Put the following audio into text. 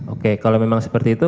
oke kalau memang seperti itu